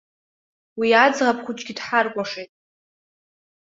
Уи аӡӷаб хәыҷгьы дҳаркәашеит.